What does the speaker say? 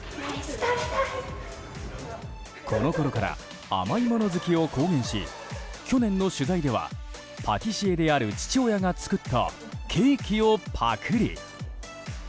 このころから甘いもの好きを公言し去年の取材ではパティシエである父親が作ったケーキをパクリ。